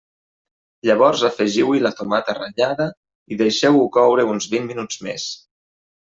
Llavors afegiu-hi la tomata ratllada i deixeu-ho coure uns vint minuts més.